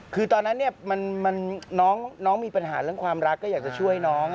คือตอนนั้นน้องมีปัญหาเรื่องความรักก็อยากจะช่วยน้อง